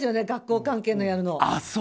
学校関係のをやるの。